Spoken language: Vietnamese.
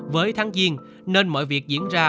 với tháng giêng nên mọi việc diễn ra